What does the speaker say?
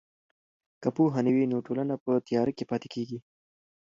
که پوهه نه وي نو ټولنه په تیاره کې پاتې کیږي.